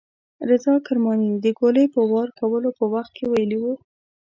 رضا کرماني د ګولۍ د وار کولو په وخت کې ویلي وو.